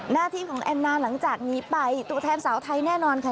หน้าที่ของแอนนาหลังจากนี้ไปตัวแทนสาวไทยแน่นอนค่ะ